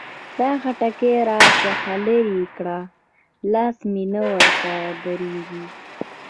دا خټکي را څخه لري کړه؛ لاس مې نه ورته درېږي.